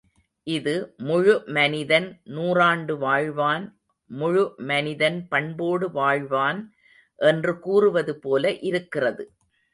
இது முழு மனிதன் நூறாண்டு வாழ்வான் முழு மனிதன் பண்போடு வாழ்வான் என்று கூறுவதுபோல இருக்கிறது.